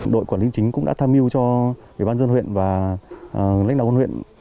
đội quản lý chính cũng đã tham mưu cho bộ ban dân huyện và lãnh đạo huyện